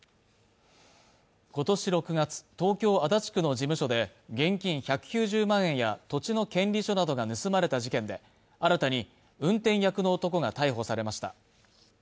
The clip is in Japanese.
今年６月東京・足立区の事務所で現金１９０万円や土地の権利書などが盗まれた事件で新たに運転役の男が逮捕されました